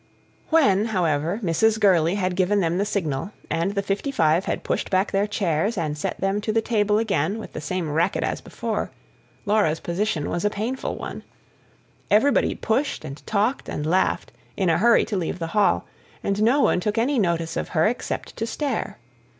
When, however, Mrs. Gurley had given the signal, and the fifty five had pushed back their chairs and set them to the table again with the same racket as before, Laura's position was a painful one. Everybody pushed, and talked, and laughed, in a hurry to leave the hall, and no one took any notice of her except to stare.